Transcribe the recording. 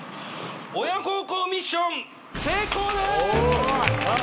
親孝行ミッション成功です！